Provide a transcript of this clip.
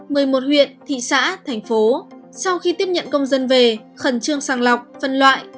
một mươi một huyện thị xã thành phố sau khi tiếp nhận công dân về khẩn trương sàng lọc phân loại